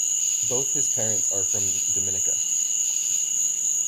Both his parents are from Dominica.